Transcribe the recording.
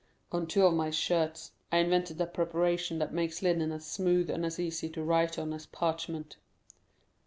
"On two of my shirts. I invented a preparation that makes linen as smooth and as easy to write on as parchment."